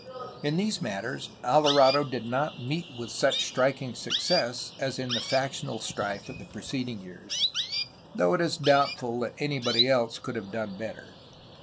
In these matters Alvarado did not meet with such striking success as in the factional strife of the pre ceding years, though it is doubtful if anybody else could have done better.